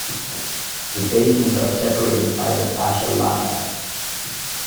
The basins are separated by the fascia lata.